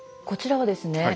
こちらはですね